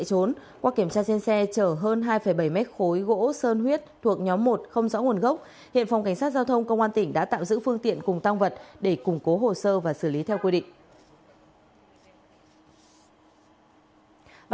trong quá trình tuần tra kiểm soát trên quốc lộ hai mươi năm tổ công tác của phòng cảnh sát giao thông công an tp yên đã phát hiện xe ô tô bị kiểm soát sáu mươi một f sáu trăm linh một